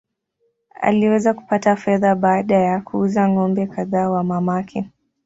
Aliweza kupata fedha baada ya kuuza ng’ombe kadhaa wa mamake.